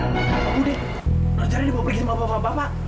bapak budi nona zairah dibawa pergi sama bapak bapak